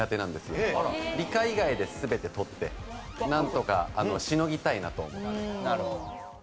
理科以外で全て取ってなんとかしのぎたいなと。